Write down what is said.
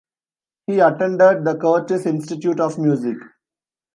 He attended the Curtis Institute of Music.